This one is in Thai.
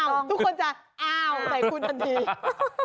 ทุกคนจะอ้าวใส่คุณทันที